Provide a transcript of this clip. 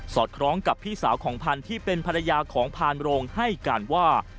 อดคล้องกับพี่สาวของพันธุ์ที่เป็นภรรยาของพานโรงให้การว่า